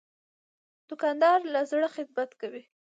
دوکاندار له زړه خدمت کوي.